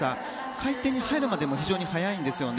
回転に入るまでも非常に速いんです。